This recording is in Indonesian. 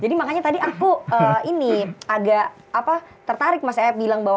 jadi makanya tadi aku ini agak tertarik mas ed bilang bahwa